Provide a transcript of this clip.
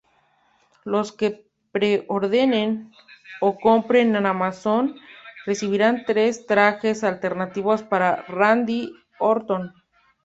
Los que pre-ordenen o compren en Amazon recibirán tres trajes alternativos para Randy Orton.